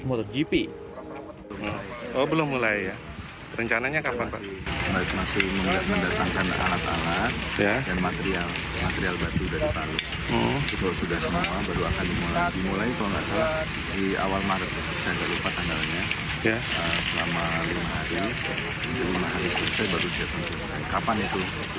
di atas motogp oh belum mulai ya rencananya kapan pak